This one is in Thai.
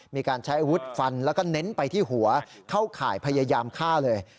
มีการใช้อาวุธฟันแล้วก็เน้นไปที่หัวเข้าข่ายพยายามฆ่าเลย